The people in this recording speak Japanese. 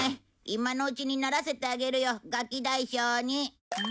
今のうちにならせてあげるよガキ大将に。